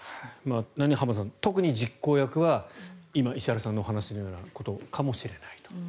浜田さん、特に実行犯は今、石原さんのお話のようなことかもしれないと。